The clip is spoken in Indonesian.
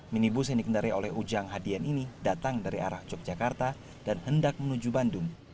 minibus yang dikendari oleh ujang hadian ini datang dari arah yogyakarta dan hendak menuju bandung